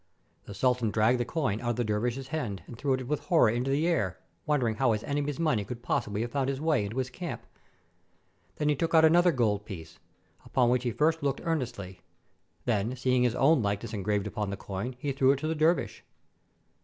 The sultan dragged the coin out of the dervish's hand and threw it with horror into the air, wondering how his enemy's money could possibly have found its way into his camp. Then he took out another gold piece, upon which he first looked earnestly; then, seeing his own like ness engraved upon the coin, he threw it to the dervish.